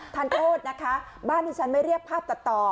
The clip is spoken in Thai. ทานโทษนะคะบ้านที่ฉันไม่เรียกภาพตัดต่อ